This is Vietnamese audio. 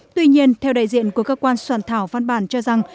tuy nhiên theo đại diện của cơ quan soạn thảo văn bản cho rằng